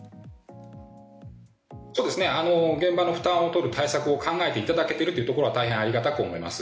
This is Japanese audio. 現場の負担を取る対策を考えていただけていることは大変ありがたく思います。